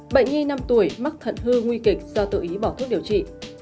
bệnh nhi năm tuổi mắc thận hư nguy kịch do tự ý bỏ thuốc điều trị